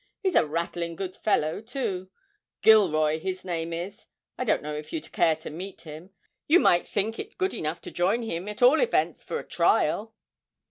He's a rattling good fellow too Gilroy, his name is. I don't know if you'd care to meet him. You might think it good enough to join him, at all events for a trial.'